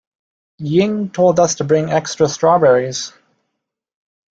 Ying told us to bring extra strawberries.